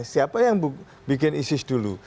siapa yang bikin isis dulu